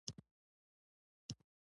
کاکړ خراسان د ږوب پراخه سیمه ده